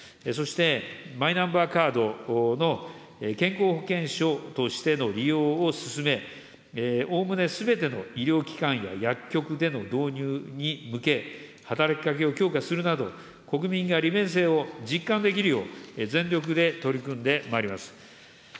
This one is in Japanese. そして、マイナンバーカードの健康保険証としての利用を進め、おおむねすべての医療機関や薬局での導入に向け、働きかけを強化するなど、国民が利便性を実感できるよう、全力で取り組んでまいります。